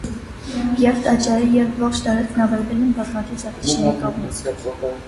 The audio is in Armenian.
Ե՛վ տաճարը, և՛ ողջ տարածքն ավերվել են բազմաթիվ զավթիչների կողմից։